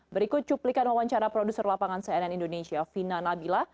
berikut cuplikan wawancara produser lapangan cnn indonesia vina nabila